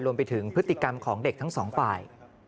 รวมไปถึงพฤติกรรมของเด็กทั้งสองฝ่าย